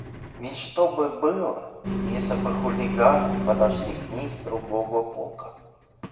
Ведь что бы было, если бы хулиганы подошли к ней с другого бока?